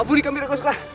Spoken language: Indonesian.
ampuni kami raka soekar